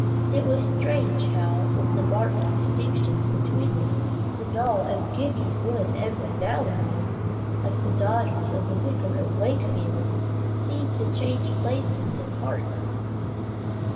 It was strange how, with the marked distinctions between them, Donal and Gibbie would every now and then, like the daughters of the Vicar of Wakefield, seem to change places and parts.